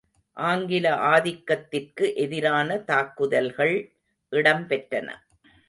ஆங்கில ஆதிக்கத்திற்கு எதிரான தாக்குதல்கள் இடம்பெற்றன.